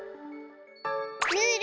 ムール！